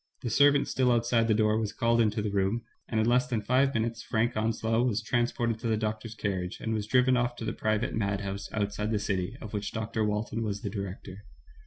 The servant still outside the door was called into the room, and in less than five minutes Frank Onslow was trans ported to the doctor's carriage, and was driven off to the private madhouse outside the city, of which Dr. Walton was the director.